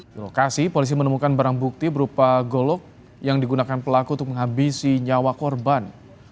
di lokasi polisi menemukan barang bukti berupa golok yang digunakan pelaku untuk menghabisi nyawa korban